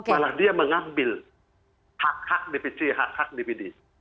malah dia mengambil hak hak dpc hak hak dpd